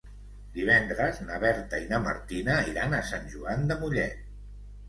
Divendres na Berta i na Martina iran a Sant Joan de Mollet.